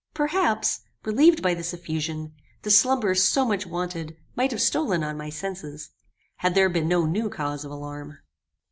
Perhaps, relieved by this effusion, the slumber so much wanted might have stolen on my senses, had there been no new cause of alarm.